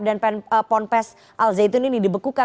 dan ponpes alzeitun ini dibekukan